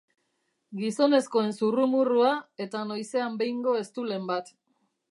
Gizonezkoen zurrumurrua eta noizean behingo eztulen bat.